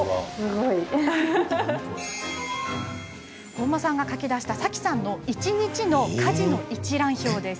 本間さんが書き出したさきさんの一日の家事の一覧表です。